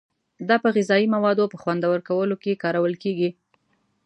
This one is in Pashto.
دا په غذایي موادو په خوندور کولو کې کارول کیږي.